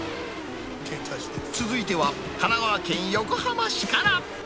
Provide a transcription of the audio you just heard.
続いては、神奈川県横浜市から。